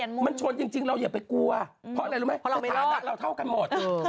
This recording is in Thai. นางคิดแบบว่าไม่ไหวแล้วไปกด